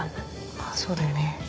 あぁそうだよね。